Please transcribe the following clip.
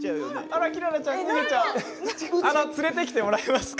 連れて来てもらえますか。